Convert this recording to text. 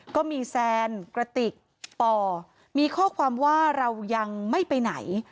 ก็มีแซนกระติกป่อมีข้อความว่าเรายังไม่ไปไหน